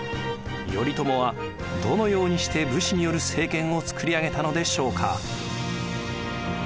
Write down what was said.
頼朝はどのようにして武士による政権をつくり上げたのでしょうか。